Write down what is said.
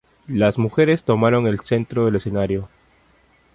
Las mujeres tomaron el centro del escenario.